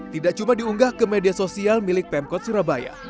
tidak cuma diunggah ke media sosial milik pemkot surabaya